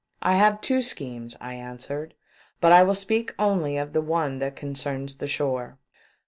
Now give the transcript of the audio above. " I have two schemes," I answered :" but I will speak only of the one that concerns the shore.